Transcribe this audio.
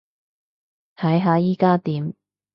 睇下依加點